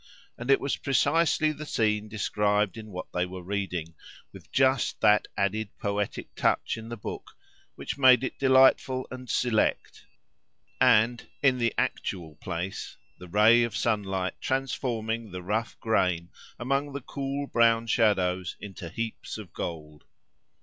and it was precisely the scene described in what they were reading, with just that added poetic touch in the book which made it delightful and select, and, in the actual place, the ray of sunlight transforming the rough grain among the cool brown shadows into heaps of gold.